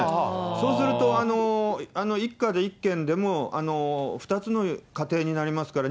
そうすると一家で１軒でも、２つの家庭になりますから、